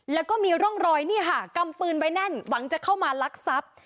แล้วก็มีร่องรอยนี่ค่ะกำปืนไว้แน่นหวังจะเข้ามาลักทรัพย์